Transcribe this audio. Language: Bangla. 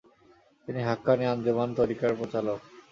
তিনি 'হাক্কানী আঞ্জুমান' তরিকার প্রচালক।